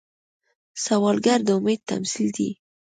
سوالګر د امید تمثیل دی